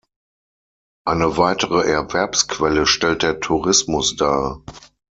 Eine weitere Erwerbsquelle stellt der Tourismus dar.